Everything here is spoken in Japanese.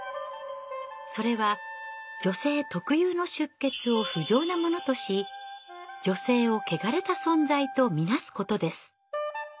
それは女性特有の出血を不浄なものとし女性をケガレた存在と見なすことです。